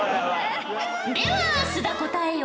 では須田答えよ。